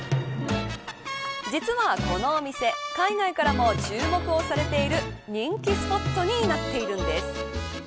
実はこのお店、海外からも注目をされている人気スポットになっているんです。